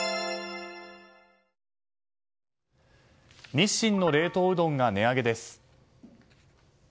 日清の冷凍うどんが値上げです。